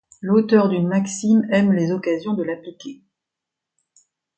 L’auteur d’une maxime aime les occasions de l’appliquer.